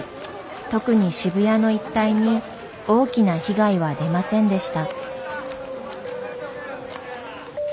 特に渋谷の一帯に大きな被害は出ませんでした。